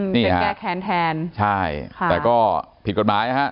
เป็นแก้แค้นแทนใช่แต่ก็ผิดกฎหมายนะครับ